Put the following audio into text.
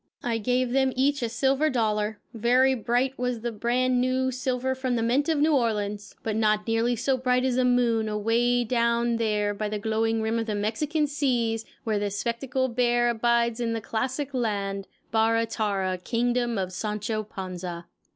I gave them each a silver dollar very bright was the brand new silver from the mint of New Orleans, but not nearly so bright as the moon away down there by the glowing rim of the Mexican seas where the spectacled bear abides in the classic land, Barra Tarra, Kingdom of Sancho Panza.